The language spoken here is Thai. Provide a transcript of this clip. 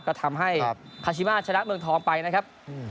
ก็ทำให้คาชิมาชนะเมืองทองไปนะครับ